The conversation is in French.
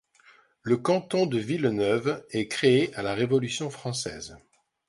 Le canton de Villeneuve est créé à la Révolution française.